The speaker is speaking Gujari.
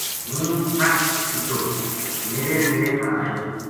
ہوں سَٹ چھُڑیو میرے نیڑے نہ آیو